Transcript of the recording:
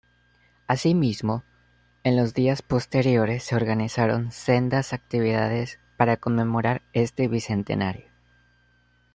Así mismo, en los días posteriores se organizaron sendas actividades para conmemorar este Bicentenario.